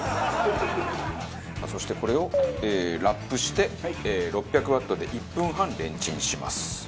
そしてこれをラップして６００ワットで１分半レンチンします。